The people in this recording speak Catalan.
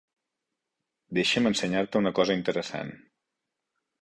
Deixa'm ensenyar-te una cosa interessant.